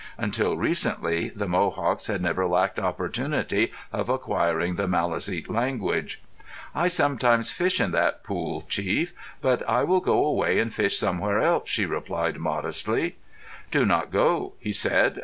Until recently, the Mohawks had never lacked opportunity of acquiring the Maliseet language. "I sometimes fish in that pool, chief. But I will go away and fish somewhere else," she replied, modestly. "Do not go," he said.